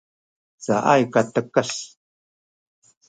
caay katekes